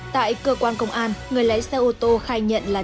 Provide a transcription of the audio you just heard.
tại cơ quan công an người lái xe ô tô khai nhận là